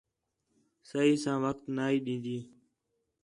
صحیح ساں وخت نہ ہی ݙین٘دی